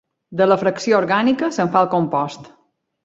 De la fracció orgànica se'n fa el compost.